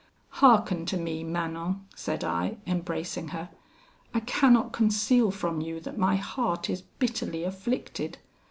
"'Hearken to me, Manon,' said I, embracing her; 'I cannot conceal from you that my heart is bitterly afflicted.